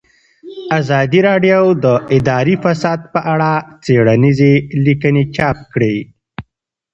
ازادي راډیو د اداري فساد په اړه څېړنیزې لیکنې چاپ کړي.